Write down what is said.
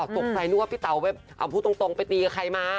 ตกใจนึกว่าพี่เต๋าเอาผู้ตรงไปตีกับใครมา